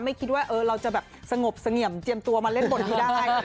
ไม่คิดว่าเราจะแบบสงบเสงี่ยมเตรียมตัวมาเล่นบทให้ได้